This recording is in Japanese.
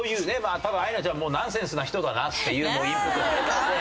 多分アイナちゃんはもうナンセンスな人だなっていうのをインプットされたので。